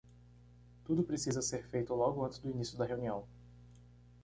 Tudo precisa ser feito logo antes do início da reunião.